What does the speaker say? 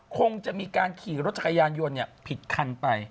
คงจะมีการขี่รถจักรยานยนต์ผิดคันไป